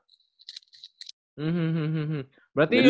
iya sempet gak ada